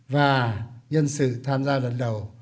và nhân sự tham gia lần đầu